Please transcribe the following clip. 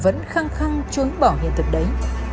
vẫn khăng khăng trốn bỏ hiện thực đấy